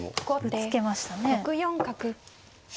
ぶつけましたね。